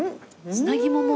砂肝も。